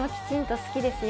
好きですよ。